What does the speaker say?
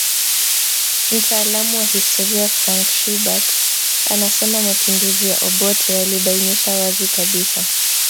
Mtaalamu wa historia Frank Schubert anasema mapinduzi ya Obote yalibainisha wazi kabisa